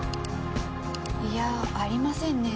いやありませんね。